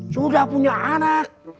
sudah punya anak